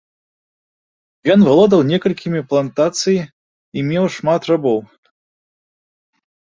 Ён валодаў некалькімі плантацыі і меў шмат рабоў.